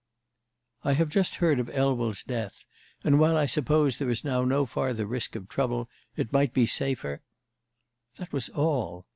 "I have just heard of Elwell's death, and while I suppose there is now no farther risk of trouble, it might be safer " That was all.